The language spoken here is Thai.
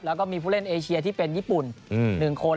แล้วก็มีผู้เล่นเอเชียที่เป็นญี่ปุ่น๑คน